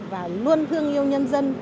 và luôn thương yêu nhân dân